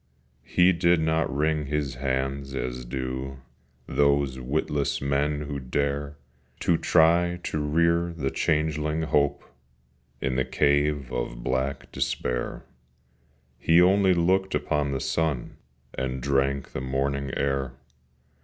He did not wring his hands, as do Those witless men who dare To try to rear the changeling Hope In the cave of black Despair: He only looked upon the sun, And drank the morning air.